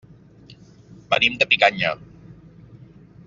Venim de Picanya.